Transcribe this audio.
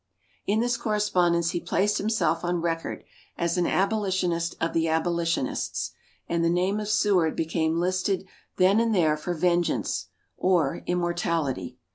In this correspondence he placed himself on record as an Abolitionist of the Abolitionists; and the name of Seward became listed then and there for vengeance or immortality.